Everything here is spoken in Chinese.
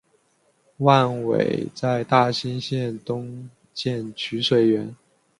万炜在大兴县东建曲水园。